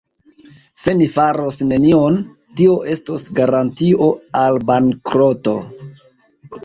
Se ni faros nenion, tio estos garantio al bankroto.